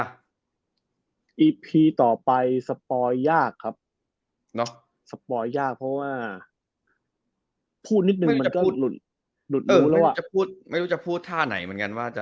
อันตรีต่อไปสปอยยากครับ